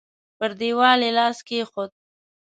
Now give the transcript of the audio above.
پر دېوال يې لاس کېښود.